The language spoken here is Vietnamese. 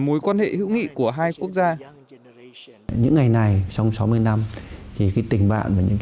mối quan hệ hữu nghị của hai quốc gia những ngày này trong sáu mươi năm thì cái tình bạn và những